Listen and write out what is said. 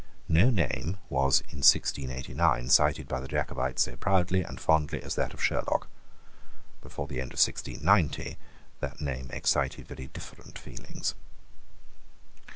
No name was in 1689 cited by the Jacobites so proudly and fondly as that of Sherlock. Before the end of 1690 that name excited very different feelings.